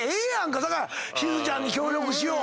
しずちゃんに協力しよう。